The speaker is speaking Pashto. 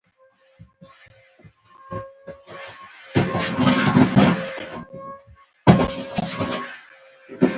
د جون پر څلرویشتمه سهار د راز محمد راز له مړینې خبر شوم.